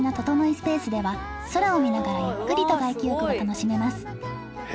スペースでは空を見ながらゆっくりと外気浴が楽しめます